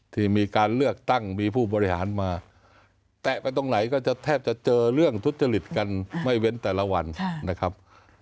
ที่มีการเลือกตั้งมีผู้บริหารมาแตะไปตรงไหนก็จะแทบจะเจอเรื่องทุจริตกันไม่เว้นแต่ละวันนะครับ